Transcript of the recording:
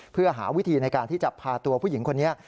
เพื่อหาวิธีในการที่จะพาตัวผู้หญิงคนนี้